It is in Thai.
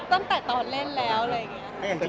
ตั้งแต่ตอนเล่นแล้วอะไรอย่างนี้